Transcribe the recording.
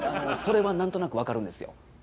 あのそれは何となく分かるんですよ。